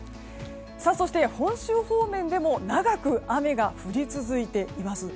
そして、本州方面でも長く雨が降り続いています。